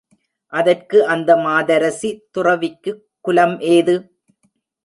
அதற்கு அந்த மாதரசி, துறவிக்குக் குலம் ஏது?